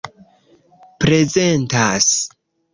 prezentas